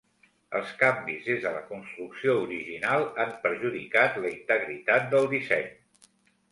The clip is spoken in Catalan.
Els canvis des de la construcció original han perjudicat la integritat del disseny.